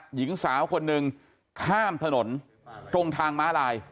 หญิงสาวคนหนึ่งข้ามถนนตรงทางม้าลาย